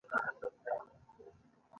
د وېښتیانو سمبالښت ورځنی کار دی.